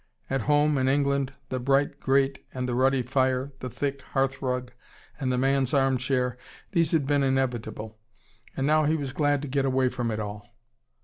At home, in England, the bright grate and the ruddy fire, the thick hearth rug and the man's arm chair, these had been inevitable. And now he was glad to get away from it all.